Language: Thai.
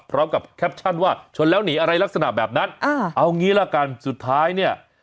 พร้อมกับแคปชั่นว่าชนแล้วหนีอะไรลักษณะแบบนั้นอ่าเอางี้ละกันสุดท้ายเนี่ย